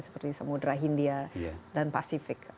seperti samudera hindia dan pasifik